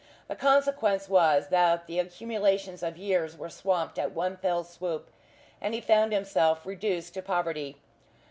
The consequence was that the accumulations of years were swamped at one fell swoop, and he found himself reduced to poverty.